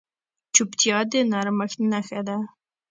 چوپتیا، د نرمښت نښه ده.